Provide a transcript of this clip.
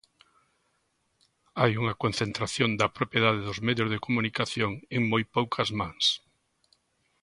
Hai unha concentración da propiedade dos medios de comunicación en moi poucas mans.